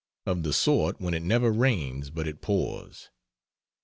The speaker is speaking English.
of the sort when it never rains but it pours.